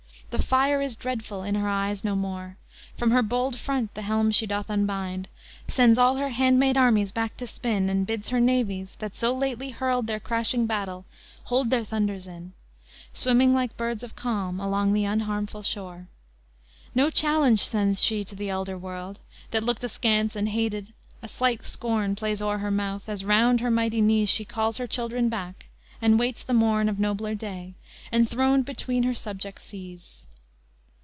The fire is dreadful in her eyes no more; From her bold front the helm she doth unbind, Sends all her handmaid armies back to spin, And bids her navies, that so lately hurled Their crashing battle, hold their thunders in; Swimming like birds of calm along the unharmful shore. No challenge sends she to the elder world, That looked askance and hated; a light scorn Plays o'er her mouth, as round her mighty knees She calls her children back, and waits the morn Of nobler day, enthroned between her subject seas."